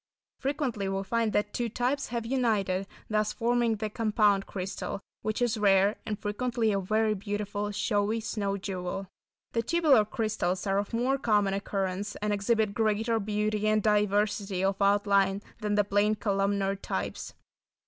Frequently we find that two types have united, thus forming the "compound" crystal, which is rare, and frequently a very beautiful, showy snow jewel. The tubular crystals are of more common occurrence and exhibit greater beauty and diversity of outline than the plain columnar types.